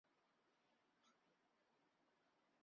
短促京黄芩为唇形科黄芩属下的一个变种。